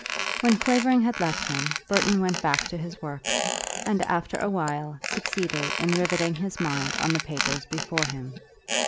When Clavering had left him Burton went back to his work, and after a while succeeded in riveting his mind on the papers before him.